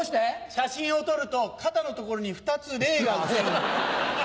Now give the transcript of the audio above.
写真を撮ると肩の所に２つ霊が写る。